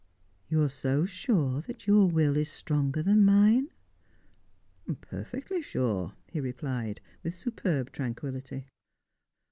"You are so sure that your will is stronger than mine?" "Perfectly sure," he replied, with superb tranquillity.